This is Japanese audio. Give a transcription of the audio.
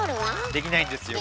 できないんですよ